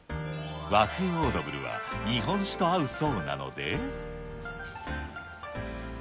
和風オードブルは、日本酒と合うそうなので。